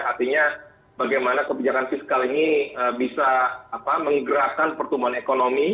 artinya bagaimana kebijakan fiskal ini bisa menggerakkan pertumbuhan ekonomi